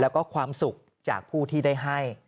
แล้วก็ความสุขจากผู้ที่ได้ให้